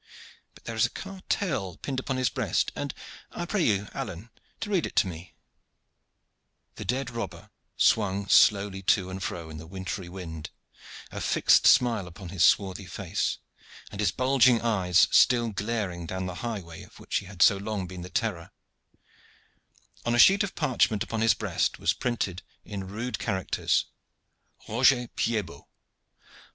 But there is a cartel pinned upon his breast, and I pray you, Alleyne, to read it to me." The dead robber swung slowly to and fro in the wintry wind, a fixed smile upon his swarthy face, and his bulging eyes still glaring down the highway of which he had so long been the terror; on a sheet of parchment upon his breast was printed in rude characters; ROGER PIED BOT.